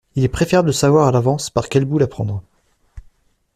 Il est préférable de savoir à l’avance par quel bout la prendre.